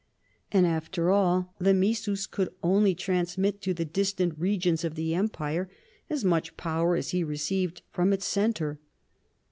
And after all, the missus could only transmit to the distant regions of the empire as much power as he received from its centre.